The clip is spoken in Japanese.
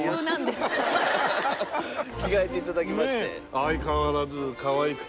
着替えて頂きまして。